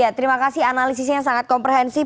ya terima kasih analisisnya sangat komprehensif